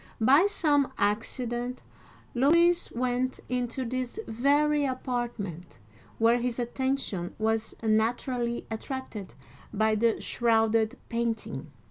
By some accident Louis went into this very apartment, where his attention was naturally attracted by the shrouded painting.